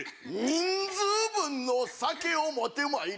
人数分の酒を持って参れ。